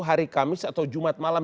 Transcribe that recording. hari kamis atau jumat malam